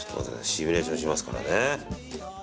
シミュレーションしますからね。